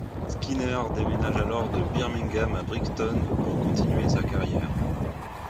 Skinner déménage alors de Birmingham à Brixton pour continuer sa carrière.